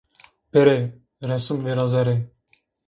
Bêrê, resım vırazerê.